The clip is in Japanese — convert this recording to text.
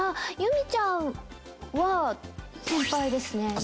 ゆみちゃんは先輩ですね。